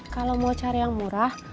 kalau mau cari yang murah